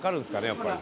やっぱり。